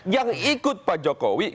yang ikut pak jokowi